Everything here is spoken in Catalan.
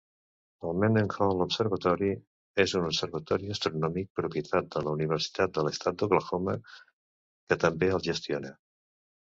El Mendenhall Observatory és un observatori astronòmic propietat de la universitat de l'estat d'Oklahoma, que també el gestiona.